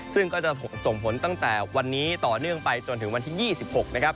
ซึ่งก็จะส่งผลตั้งแต่วันนี้ต่อเนื่องไปจนถึงวันที่๒๖นะครับ